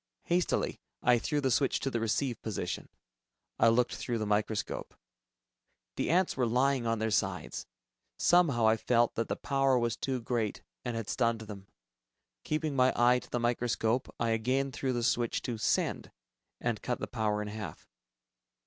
Hastily, I threw the switch to the "receive" position. I looked through the microscope. The ants were lying on their sides. Somehow, I felt that the power was too great, and had stunned them. Keeping my eye to the microscope, I again threw the switch to "send," and cut the power to half.